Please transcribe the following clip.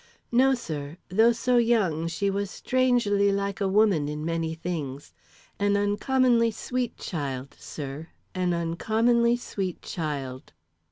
"No, sir; though so young, she was strangely like a woman in many things. An uncommonly sweet child, sir, an uncommonly sweet child."